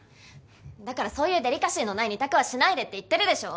だからそういうデリカシーのない２択はしないでって言ってるでしょ？